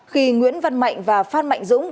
khi nguyễn văn mạnh và phan mạnh dũng